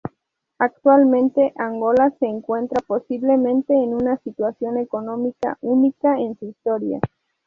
Actualmente, Angola se encuentra posiblemente en una situación económica única en su historia.